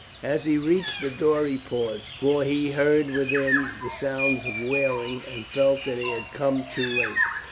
As he reached the door he paused, for he heard within the sounds of wailing, and felt that he had come too late.